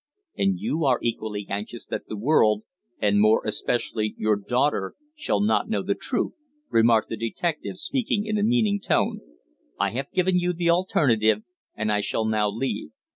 "And you are equally anxious that the world and more especially your daughter shall not know the truth," remarked the detective, speaking in a meaning tone. "I have given you the alternative, and I shall now leave.